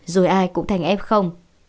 rồi ai cũng thành f